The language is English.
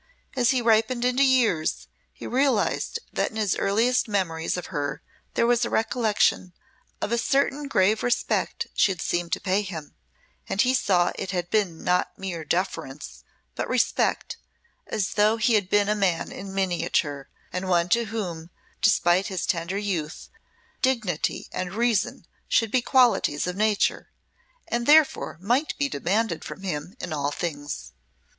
As he ripened in years, he realised that in his earliest memories of her there was a recollection of a certain grave respect she had seemed to pay him, and he saw it had been not mere deference but respect, as though he had been a man in miniature, and one to whom, despite his tender youth, dignity and reason should be qualities of nature, and therefore might be demanded from him in all things.